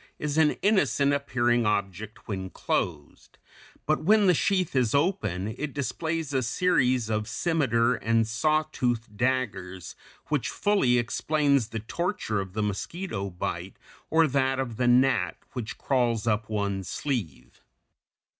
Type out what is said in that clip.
223) is an innocent appearing object when closed; but when the sheath is open it displays a series of scimeter and sawtooth daggers (Fig. 224), which fully explains the torture of the mosquito bite or that of the gnat which crawls up one's sleeve (Fig.